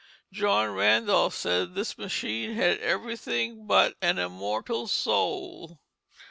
John Randolph said this machine had everything but an immortal soul.